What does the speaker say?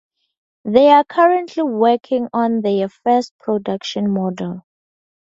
They are currently working on their first production model.